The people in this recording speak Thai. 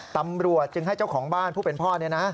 ตำรวจจึงให้เจ้าของบ้านผู้เป็นพ่อเนี่ยนะ